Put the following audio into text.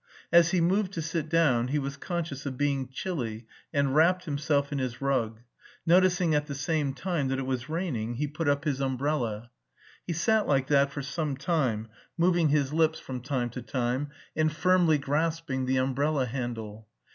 As he moved to sit down he was conscious of being chilly and wrapped himself in his rug; noticing at the same time that it was raining, he put up his umbrella. He sat like that for some time, moving his lips from time to time and firmly grasping the umbrella handle.